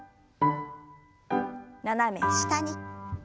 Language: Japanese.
斜め下に。